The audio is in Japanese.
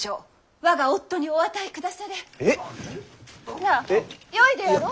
なあよいであろう？